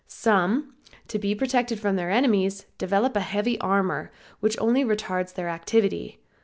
Some, to be protected from their enemies, develop a heavy armor, which only retards their activity.